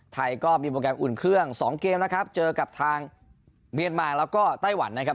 ไทยก็มีโปรแกรมอุ่นเครื่องสองเกมนะครับเจอกับทางเมียนมาแล้วก็ไต้หวันนะครับ